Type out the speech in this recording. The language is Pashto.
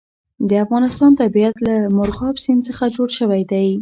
د افغانستان طبیعت له مورغاب سیند څخه جوړ شوی دی.